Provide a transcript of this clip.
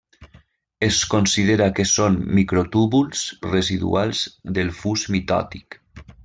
Es considera que són microtúbuls residuals del fus mitòtic.